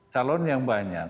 calon yang banyak